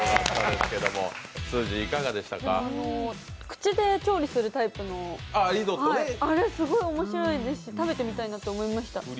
口で調理するタイプの、あれすごい面白いですし食べたみたいなと思いました。